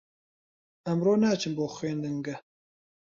ئەمڕۆ ناچم بۆ خوێندنگە.